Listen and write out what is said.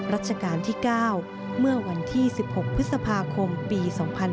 รัชกาลที่๙เมื่อวันที่๑๖พฤษภาคมปี๒๕๕๙